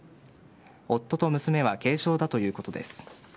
夫と娘は軽傷だということです。